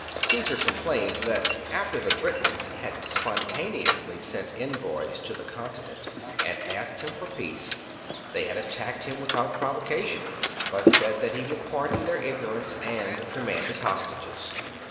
^ Caesar complained that, after the Britons had spontaneously sent envoys to the continent and asked him for peace, they had attacked him without provocation, but said that he would pardon their ignorance, and demanded hostages.